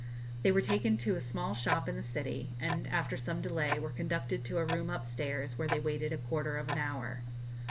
They were taken to a small shop in the city, and, after some delay, were conducted to a room upstairs, where they waited a quarter of an hour.